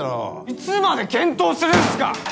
いつまで検討するんすか！